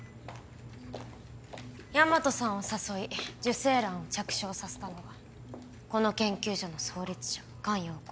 大和さんを誘い受精卵を着床させたのはこの研究所の創立者菅容子